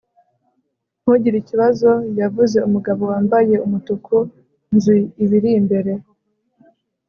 ntugire ikibazo yavuze umugabo wambaye umutuku, nzi ibiri imbere